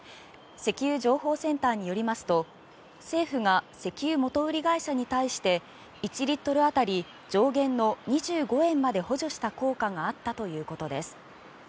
石油情報センターによりますと政府が石油元売り会社に対して１リットル当たり上限の２５円まで補助した効果があったということです。